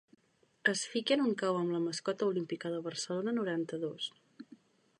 Es fiqui en un cau amb la mascota olímpica de Barcelona noranta-dos.